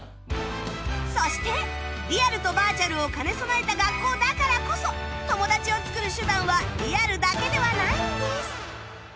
そしてリアルとバーチャルを兼ね備えた学校だからこそ友達を作る手段はリアルだけではないんです